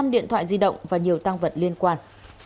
một mươi năm điện thoại di động và nhiều tăng vật liên quan